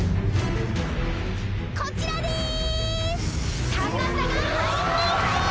こちらです！